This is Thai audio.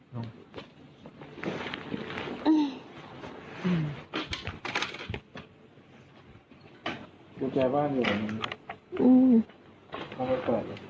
มุ่งแจบ้านอยู่ตรงนี้นะครับเอารถเปิดเลยนะครับอืม